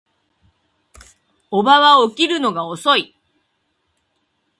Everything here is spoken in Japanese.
叔母は起きるのが遅い